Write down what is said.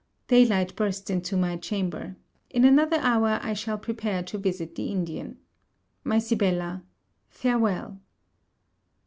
Day light bursts into my chamber. In another hour, I shall prepare to visit the Indian. My Sibella, farewel!